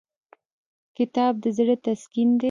کتاب د زړه تسکین دی.